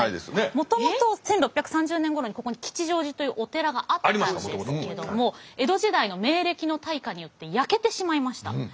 もともと１６３０年ごろにここに吉祥寺というお寺があったんですけども江戸時代の明暦の大火によって焼けてしまいました。